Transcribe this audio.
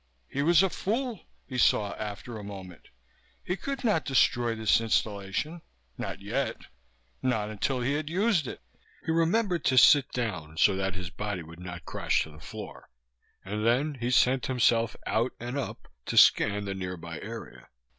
He was a fool, he saw after a moment. He could not destroy this installation not yet not until he had used it. He remembered to sit down so that his body would not crash to the floor, and then he sent himself out and up, to scan the nearby area.